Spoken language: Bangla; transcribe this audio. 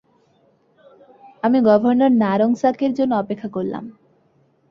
আমি গভর্নর নারোংসাকের জন্য অপেক্ষা করলাম।